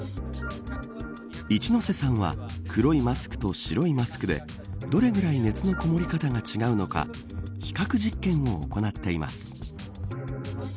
一ノ瀬さんは黒いマスクと白いマスクでどれぐらい熱のこもり方が違うのか比較実験を行っています。